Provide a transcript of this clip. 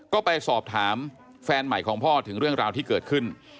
ก็ไปสอบถามแฟนใหม่ของพ่อถึงเรื่องราวที่เกิดขึ้น